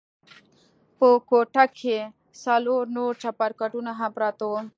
په کوټه کښې څلور نور چپرکټونه هم پراته وو.